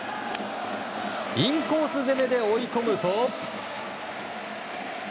インコース攻めで追い込むと。